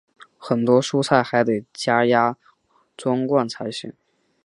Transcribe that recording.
很多蔬菜还要加压装罐才行。